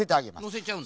のせちゃう？